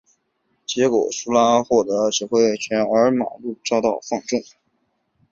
结果苏拉获得指挥权而马略遭到放逐。